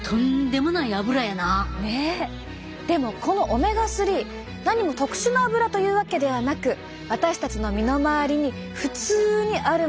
でもこのオメガ３なにも特殊なアブラというわけではなく私たちの身の回りに普通にあるものなんです。